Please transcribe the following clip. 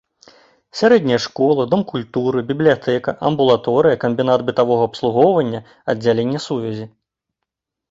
Сярэдняя школа, дом культуры, бібліятэка, амбулаторыя, камбінат бытавога абслугоўвання, аддзяленне сувязі.